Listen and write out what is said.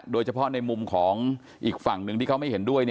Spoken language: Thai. โดยเฉพาะในมุมของอีกฝั่งหนึ่งที่เขาไม่เห็นด้วย